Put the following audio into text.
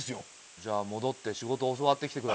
じゃあ戻って仕事教わって来てください。